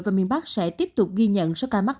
và miền bắc sẽ tiếp tục ghi nhận số ca mắc